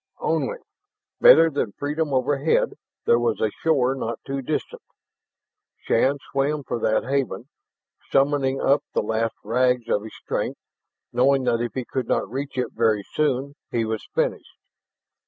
Only, better than freedom overhead, there was a shore not too distant. Shann swam for that haven, summoning up the last rags of his strength, knowing that if he could not reach it very soon he was finished.